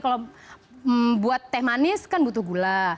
kalau buat teh manis kan butuh gula